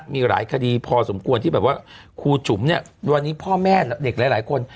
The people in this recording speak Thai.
มีหลายคดีพอสมควรที่แบบว่าครูจุ๋มเนี่ยวันนี้พ่อแม่เด็กหลายคน